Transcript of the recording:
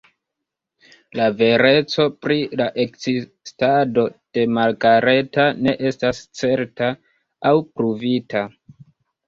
La vereco pri la ekzistado de Margareta ne estas certa aŭ pruvita.